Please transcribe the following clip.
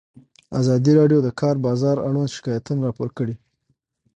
ازادي راډیو د د کار بازار اړوند شکایتونه راپور کړي.